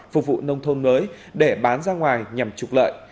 phục vụ nông thôn mới để bán ra ngoài nhằm trục lợi